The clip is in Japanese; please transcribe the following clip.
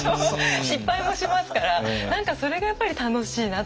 失敗もしますから何かそれがやっぱり楽しいなって思いますね。